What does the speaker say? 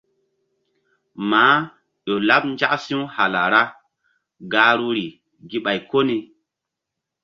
Maah ƴo laɓ nzak si̧w hala ra̧h gahruri gi ɓay ko ni.